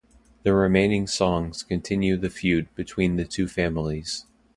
The remaining songs continue the feud between the two families.